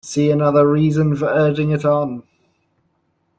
See another reason for urging it on!